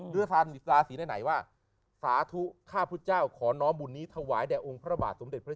ราศรีไหนว่า